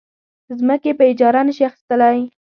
ځمکې په اجاره نه شي اخیستلی.